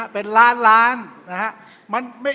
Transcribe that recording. เป็นล้านนะฮะ